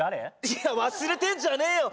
いや忘れてんじゃねえよ！